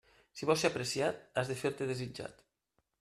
Si vols ser apreciat, has de fer-te desitjat.